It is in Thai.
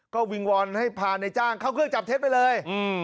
ก็วิงวอนให้พาในจ้างเข้าเครื่องจับเท็จไปเลย